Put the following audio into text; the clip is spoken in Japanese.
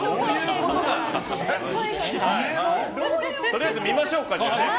とりあえず見ましょうか。